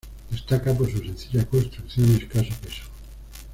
Destaca por su sencilla construcción y escaso peso.